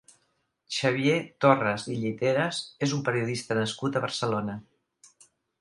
Xavier Torres i Lliteras és un periodista nascut a Barcelona.